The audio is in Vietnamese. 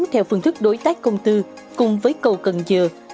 theo phương thức đối tác công tư cùng với cầu cần dừa